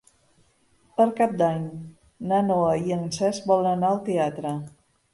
Per Cap d'Any na Noa i en Cesc volen anar al teatre.